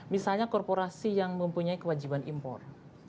misalnya korporasi yang mempunyai kewajiban impor